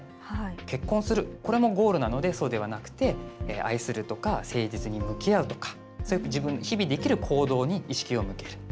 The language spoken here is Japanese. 結婚する、これもゴールなのでそうではなくて愛するとか誠実に向き合うとか自分の日々できる行動に意識を向ける。